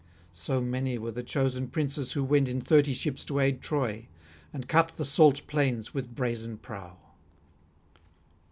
So many were the chosen princes who went in thirty ships to aid Troy, and cut the salt plains with brazen prow.